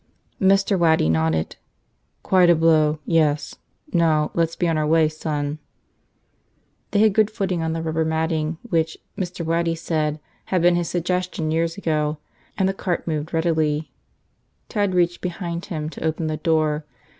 Mr. Waddy nodded. "Quite a blow. Yes. Now let's be on our way, son." They had good footing on the rubber matting which, Mr. Waddy said, had been his suggestion years ago, and the cart moved readily. Ted reached behind him to open the door.